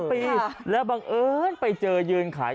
กลับมาพร้อมขอบความ